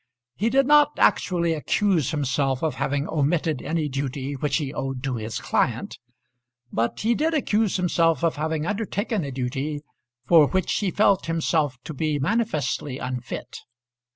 He did not actually accuse himself of having omitted any duty which he owed to his client; but he did accuse himself of having undertaken a duty for which he felt himself to be manifestly unfit.